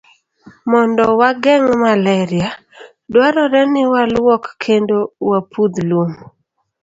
Mondo wageng' malaria, dwarore ni walwok kendo wapudh lum.